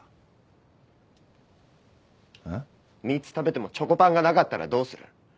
３つ食べてもチョコパンがなかったらどうする？